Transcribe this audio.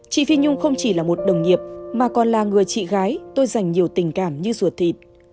chị phi nhung không chỉ là một đồng nghiệp mà còn là người chị gái tôi dành nhiều tình cảm như ruột thịt